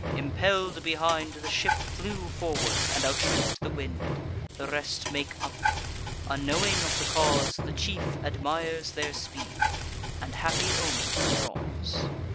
Impell'd behind, The ship flew forward, and outstripp'd the wind. The rest make up. Unknowing of the cause, The chief admires their speed, and happy omens draws.